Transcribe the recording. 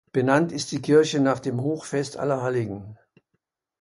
Benannt ist die Kirche nach dem Hochfest Allerheiligen.